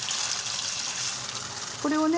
これをね。